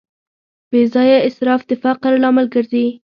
بېځایه اسراف د فقر لامل ګرځي.